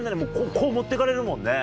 こう持ってかれるもんね。